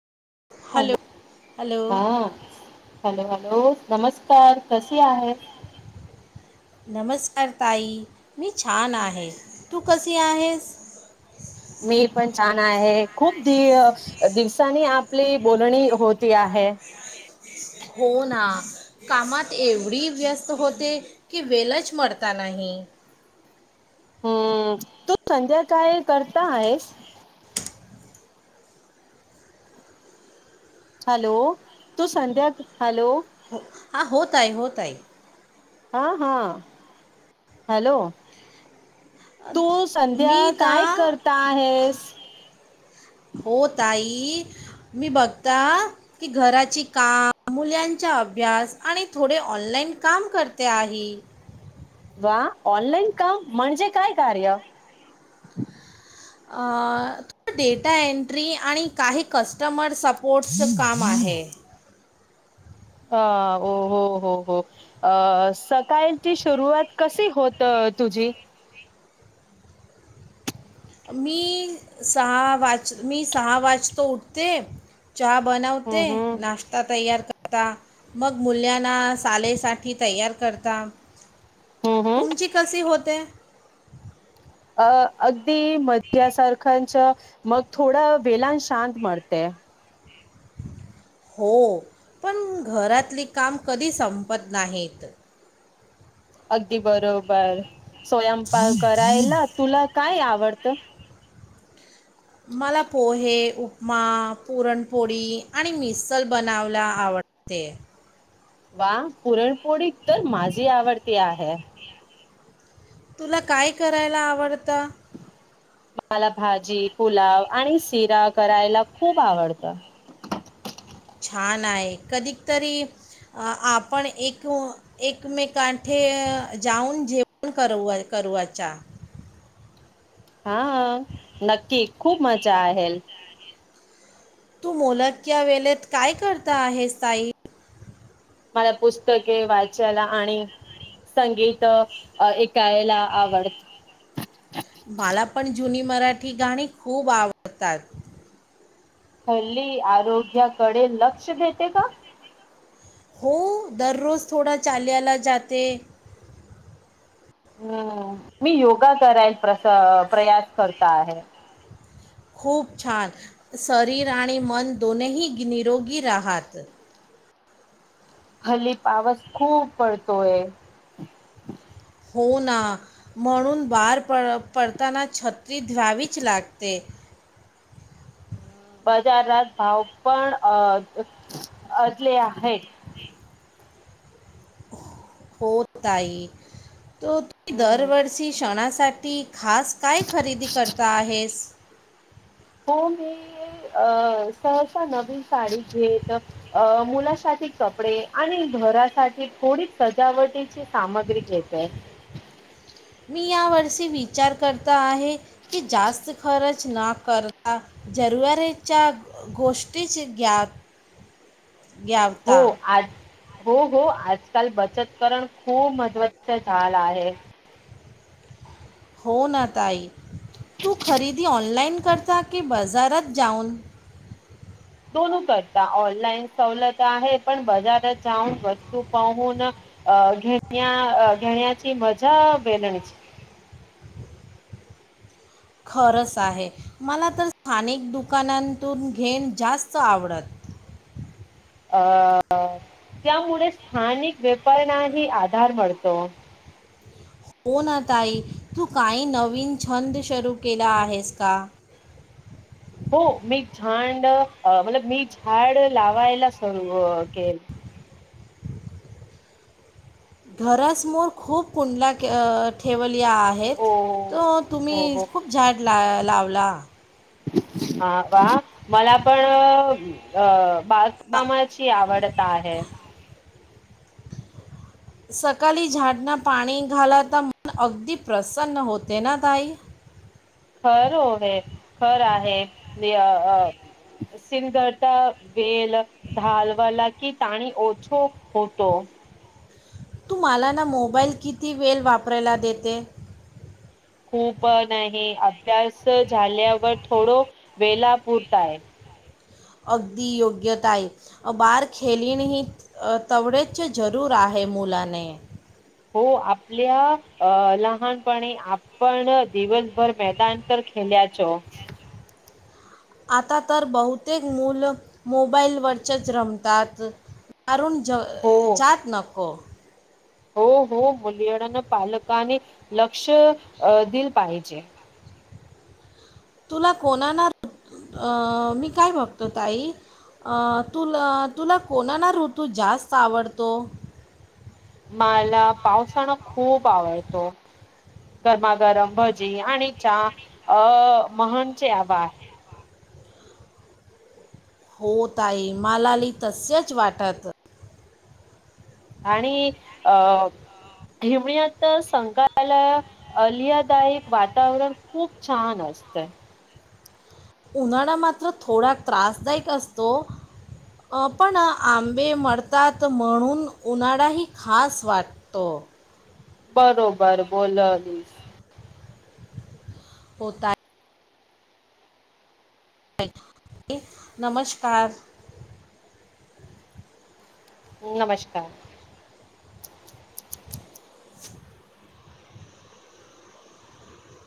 हो, hello hello हा. Hello hello, नमस्कार कसे आहेत? नमस्कार ताई मी छान आहे. तू कशी आहेस? मी पण छान आहे. खूप दि दिवसांनी आपली बोलणी होती आहे. हो ना. कामात एवढी व्यस्त होते, की वेळच मिळता नाही. हम्म तू संध्या काय करता आहेस? हॅलो तू, संध्या हॅलो. हो हा हो ताई हो ताई. हा हा हॅलो. तू संध्या मी ता काय करता आहेस? हो ताई मी बघता की घराची काम, मुलांचा अभ्यास आणि थोडे ऑनलाइन काम करते आहे. वा ऑनलाइन काम म्हणजे काय कार्य? अ डेटा एंट्री आणि काही कस्टमर सपोर्टचं काम आहे. हा ओ हो हो हो. अ सकाळची सुरुवात कशी होतं तुझी? मी सहा वाज मी सहा वाजत उठते. चहा हम्म बनवते, हम्म नाश्ता तयार करता. मग मुल्यांना शाळेसाठी तयार करता. हम्म हम्म तुमची कशी होते? अ अगदी मद्यासारखचं मग थोडावेळणी शांत [unintelligible] हो पण घरातली काम कधी संपत नाहीत. अगदी बरोबर स्वयंपाक करायला, तुला काय आवडतं? मला पोहे, उपमा, पुरणपोळी आणि मिसल बनावयला आवड ते. वा पुरणपोळी तर माझी आवडती आहे. तुला काय करायला आवडतं? मला भाजी, पुलाव आणि शिरा करायला खूप आवडतं. छान आहे. कधीतरी आपण एक एक मेकांके जाऊन जेवण करुआचा. हा, नक्की खूप मजा आहेल. तू मोकळ्या वेळेत काय करता आहे, ताई? मला पुस्तके वाचायला आणि संगीत ऐकायला आवडत. मला पण जुनी मराठी गाणी खूप आवडतात. हल्ली, आरोग्याकडे लक्ष देते का? हो, दररोज थोडा चालायला जाते. हम्म, मी योगा करायला प्रस प्रयास करता आहे. खूप छान, शरीर आणि मन दोनही निरोगी राहात. हल्ली, पाऊस खूप पडतोय. हो ना, म्हणून बाहेर पडताना छत्री ध्यावीच लागते. बाजारात घावपळ अ अजले आहे. [unintelligible] होत आहे, तर तुम्ही हम्म. दरवर्षी सणासाठी खास काय खरेदी करता आहेस? हो मी, अ सहसा नवीन साडी घेत अ, मुलासाठी कपडे, आणि घरासाठी थोडी सजावटीची सामग्री घेत आहे. मी या वर्षी विचार करता आहे. की जास्त खरच ना करतां जरूयेच्या गोष्टीच घ्यात. हो आजं हो-हो, आजकाल बचत करण खूप महत्त्वाचं झाला आहे. हो ना ताई, तू खरेदी ऑनलाईन करता की बाजारात जाऊन? दोनो करता. ऑनलाईन सवलत आहे. पण बाजारात जाऊन वस्तू पाहून अ घेण्या घेण्याची मजा वेगळीच खरंच आहे. मला तर स्थानिक दुकानांतून घेण जास्त आवडत. अ, त्यामुळे स्थानिक व्यापऱनाही आधार मीळतो. हो ना ताई, तू काही नवीन छंद शरू केला आहेस का हो मी झांड, अ मी झाड लावायला सरू केलं. घरासमोर खूप कुंडला कर ठेवले आहेत, ओ तो हो तुम्ही हो खूप झाड ला लावलात. हा का, मला पण, अ बा बागकाम ची आवडता आहे. सकाली झाडना पाणी घाला तर मन अगदी प्रसन्न होते ना ताई. खर होवे, खर आहे. दि अ अ सिंगरता वेल ढालवाला कि ताणी ओछो होतो. तू मला ना मोबाईल किती वेल वापरायला देते? खूप नाही. अभ्यास झाल्यावर थोडं वेला पुरता आहे. [inaudible] अगदी योग्यता आहे. बार खेलीण ही तवळेच जरूर आहे मुलाने हो आपल्या अ लहानपणी आपण दिवसभर मैदान तर खेल्याचो आता तर बहुतेक मुलं मोबाईलवरचंचं रमतात कारुण ज हो. जात नको. हो हो मुलीइन पालकाने लक्ष अ दिल पाहिजे. तुला कोणा ना अ मी काय म्हणतो ताई अ तुला तुला कोणाला ऋतू जास्त आवडतो? माला पावसाळा खूप आवडतो. गरमागरम भजी आणि चहा अ महनचे हवा हो ताई मला ली तसचं वाटते. आणि अ हिवयत संगल अलियादायक वातावरण खूप छान असतंय. उन्हाळा मात्र थोडा त्रासदायक असतो. अ पण आंबे मडतात म्हणून उन्हाडाही खास वाट तो. बरोबर बोलालीस. हो ता अ इ नमस्कार. नमस्कार. [inaudible]